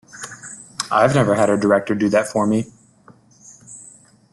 I've never had a director do that for me.